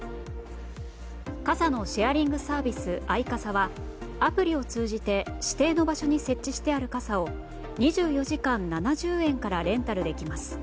傘のシェアリングサービスアイカサはアプリを通じて指定の場所に設置してある傘を２４時間７０円からレンタルできます。